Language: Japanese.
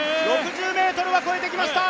６０ｍは越えてきました。